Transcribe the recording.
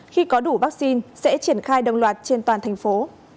khi có đủ vaccine sẽ triển khai đồng loạt trên toàn thành phố